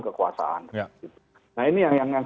kekuasaan nah ini yang